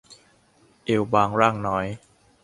เอวบางร่างน้อย